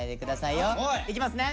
いきますね。